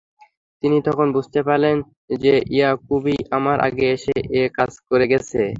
তিনি তখন বুঝতে পারলেন যে, ইয়াকূবই আমার আগে এসে এ কাজ করে গেছে।